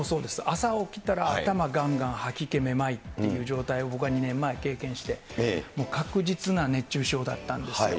朝起きたら頭がんがん、吐き気、めまいっていう状態を前に経験して、もう確実な熱中症だったんですよ。